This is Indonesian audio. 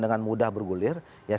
dengan mudah bergulir ya